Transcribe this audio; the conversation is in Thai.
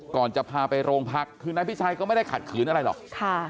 ก่อนจะพาไปโรงพักคือนายพิชัยก็ไม่ได้ขัดขืนอะไรหรอก